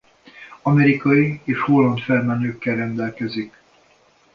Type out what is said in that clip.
Amerikai és holland felmenőkkel rendelkezik.